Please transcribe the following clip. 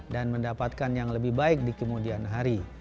dan mendapatkan yang lebih baik di kemudian hari